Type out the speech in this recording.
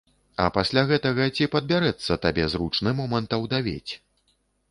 А пасля гэтага ці падбярэцца табе зручны момант аўдавець?